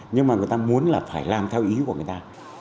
nhưng mà người ta muốn là phải làm theo ý của người ta